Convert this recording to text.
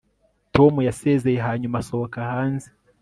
Tom yasezeye hanyuma asohoka hanze